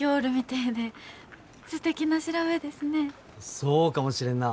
そうかもしれんなあ。